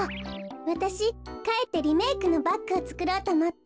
わたしかえってリメークのバッグをつくろうとおもって。